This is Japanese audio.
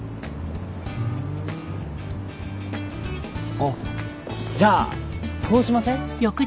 あっじゃあこうしません？